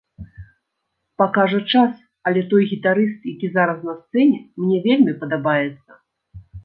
Пакажа час, але той гітарыст, які зараз на сцэне, мне вельмі падабаецца.